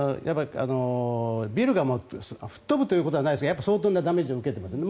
ビルが吹っ飛ぶということはないですが相当なダメージを受けていますね。